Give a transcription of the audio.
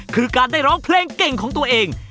คือการได้ร้องเพลงเก่งของตัวเอง